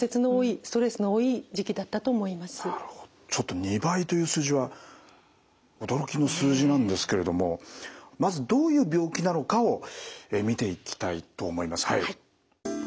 ちょっと２倍という数字は驚きの数字なんですけれどもまずどういう病気なのかを見ていきたいと思います。